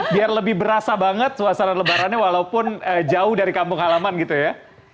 biar lebih berasa banget suasana lebarannya walaupun jauh dari kampung halaman gitu ya